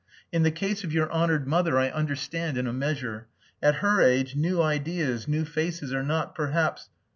In the case of your honoured mother I understand in a measure. At her age new ideas new faces are not perhaps....